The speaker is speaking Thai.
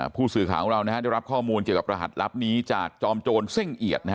ผู้สื่อข่าวของเราได้รับข้อมูลเกี่ยวกับรหัสลับนี้จากจอมโจรเซ่งเอียด